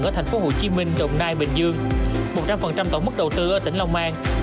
ở tp hcm đồng nai bình dương một trăm linh tổng mức đầu tư ở tỉnh lông an